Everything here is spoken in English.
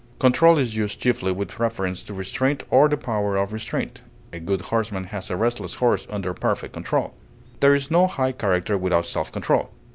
Control is used chiefly with reference to restraint or the power of restraint; a good horseman has a restless horse under perfect control; there is no high character without self control.